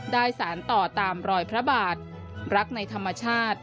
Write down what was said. สารต่อตามรอยพระบาทรักในธรรมชาติ